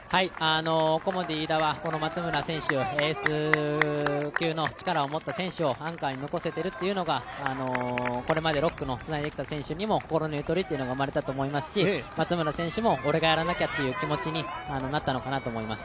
コモディイイダは松村選手、エース級の力を持った選手をアンカーに残せているというのがこれまで６区つないできた選手にも心のゆとりが生まれたと思いますし松村選手も、俺がやらなきゃという気持ちになったんだと思います。